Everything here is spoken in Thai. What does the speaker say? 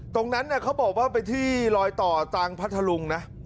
ตรงนั้นเขาบอกว่าไปที่รอยต่อจางพัทธรุงนะ